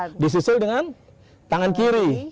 nah disusul dengan tangan kiri